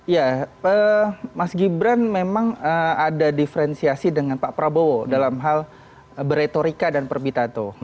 ya mas gibran memang ada diferensiasi dengan pak prabowo dalam hal beretorika dan perbitato